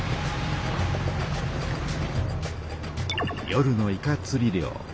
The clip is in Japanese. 夜のイカつり漁。